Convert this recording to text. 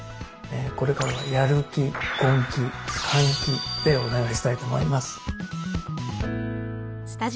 これからはやる気根気換気でお願いしたいと思います。